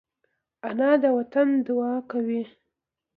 انا د وطن دعا کوي